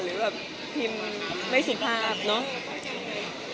หรือแบบพิมพ์มันไม่สุภาพเนาะ